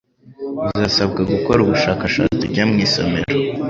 Uzasabwa gukora ubushakashatsi ujya mu isomero,